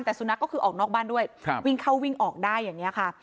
แต่สุนัขก็คือออกนอกบ้านด้วยวิ่งเข้าวิ่งออกได้อย่างนี้ค่ะ